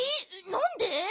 なんで？